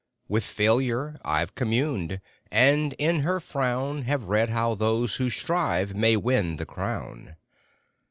With Failure I ve communed, and in her frown Have read how those who strive may win the crown.